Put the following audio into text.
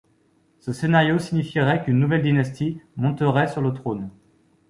Ce scénario signifierait qu'une nouvelle dynastie monterait sur le trône.